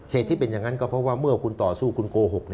ที่เป็นอย่างนั้นก็เพราะว่าเมื่อคุณต่อสู้คุณโกหก